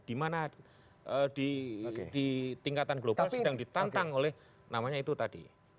dimana di tingkatan global sedang ditantang oleh namanya itu tadi